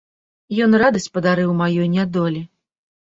Ён радасць падарыў маёй нядолі!